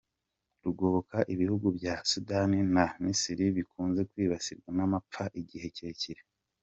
Rugoboka ibihugu bya Sudani na Misiri bikunze kwibasirwa n’amapfa igihe kirekire.